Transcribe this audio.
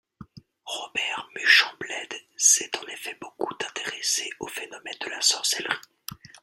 Robert Muchembled s'est en effet beaucoup intéressé au phénomène de la sorcellerie.